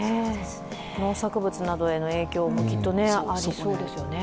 農作物などへの影響もきっとあるでしょうね。